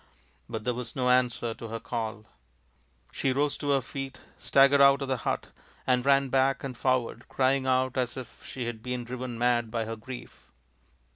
But there was no answer to her call. She rose to her feet, staggered out of the hut, and ran back and forward crying out as if she had been driven mad by her grief.